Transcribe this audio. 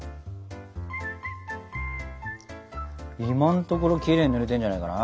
今のところきれいに塗れてるんじゃないかな？